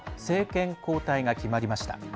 政権交代が決まりました。